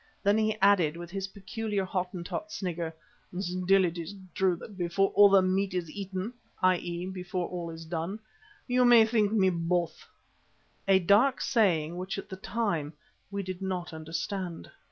Then he added, with his peculiar Hottentot snigger, "Still, it is true that before all the meat is eaten (i.e. before all is done) you may think me both," a dark saying which at the time we did not understand.